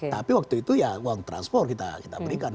tapi waktu itu ya uang transport kita berikan